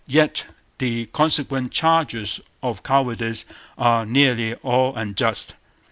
Yet the consequent charges of cowardice are nearly all unjust.